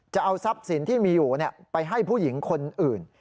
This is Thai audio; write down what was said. จะเอาทรัพย์สินที่มีอยู่ไปให้ผู้หญิงคนอื่น